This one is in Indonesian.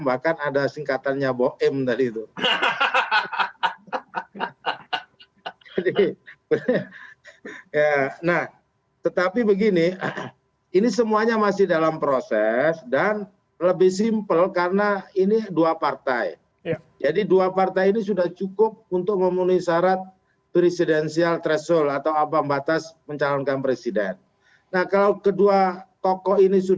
bahkan ada singkatannya boem tadi itu